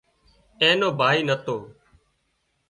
اين نو ڀائي نتو